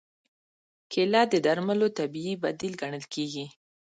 کېله د درملو طبیعي بدیل ګڼل کېږي.